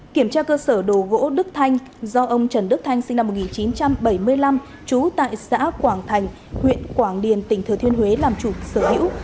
kiểm tra cơ sở đồ gỗ đức thanh do ông trần đức thanh sinh năm một nghìn chín trăm bảy mươi năm trú tại xã quảng thành huyện quảng điền tỉnh thừa thiên huế làm chủ sở hữu